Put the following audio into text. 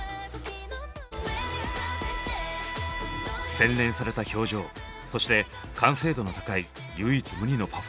洗練された表情そして完成度の高い唯一無二のパフォーマンス。